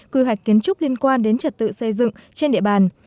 quy hoạch kiến trúc liên quan đến trật tự xây dựng trên địa bàn